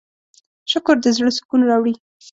شکر د زړۀ سکون راوړي.